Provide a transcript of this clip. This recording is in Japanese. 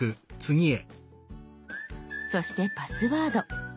そしてパスワード。